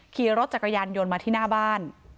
ขี่รถจักรยานยนต์มาที่หน้าบ้าน